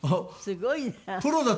すごいな！